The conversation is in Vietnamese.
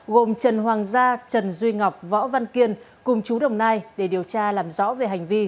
gồm trần hoàng gia trần duy ngọc võ văn kiên cùng chú đồng nai để điều tra làm rõ về hành vi